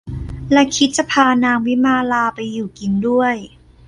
และคิดจะพานางวิมาลาไปอยู่กินด้วย